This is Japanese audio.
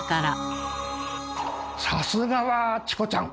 さすがはチコちゃん！